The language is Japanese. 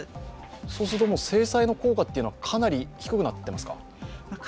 そうすると制裁の効果はかなり低くなっていますか？